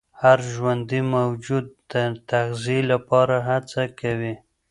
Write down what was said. هر ژوندي موجود د تغذیې لپاره هڅه کوي.